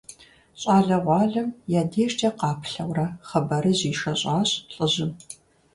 Щӏалэгъуалэм я дежкӏэ къаплъэурэ хъыбарыжь ишэщӀащ лӏыжьым.